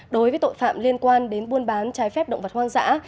đối với tội phạm liên quan đến buôn bán trái phép động vật hoang dã